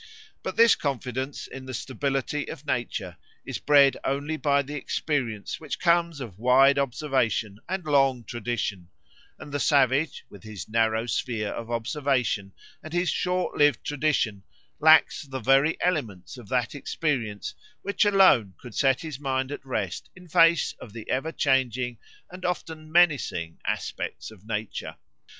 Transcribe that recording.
But this confidence in the stability of nature is bred only by the experience which comes of wide observation and long tradition; and the savage, with his narrow sphere of observation and his short lived tradition, lacks the very elements of that experience which alone could set his mind at rest in face of the ever changing and often menacing aspects of nature.